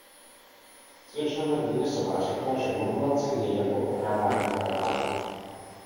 Slečna McGuinnessová řekla, že modulace je jako okrádání farmářů.